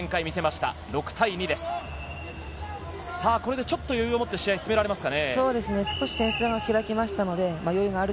これで余裕をもって試合を進められますか？